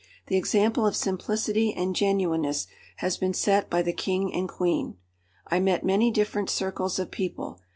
The example of simplicity and genuineness has been set by the King and Queen. I met many different circles of people.